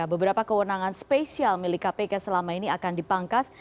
beberapa kewenangan spesial milik kpk selama ini akan dipangkas